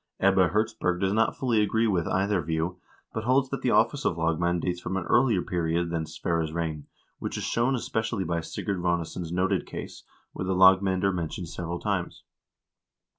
Ebbe Hertzberg does not fully agree with either view, but holds that the office of lagmand dates from an earlier period than Sverre's reign,2 which is shown especially by Sigurd Ranesson's noted case, where the lagmand are mentioned several times.